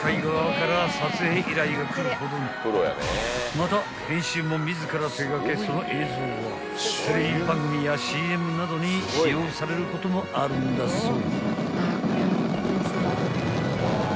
［また編集も自ら手掛けその映像はテレビ番組やＣＭなどに使用されることもあるんだそう］